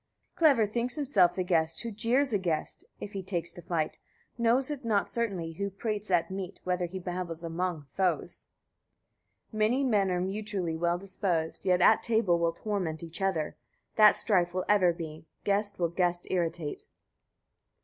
31. Clever thinks himself the guest who jeers a guest, if he takes to flight. Knows it not certainly he who prates at meat, whether he babbles among foes. 32. Many men are mutually well disposed, yet at table will torment each other. That strife will ever be; guest will guest irritate.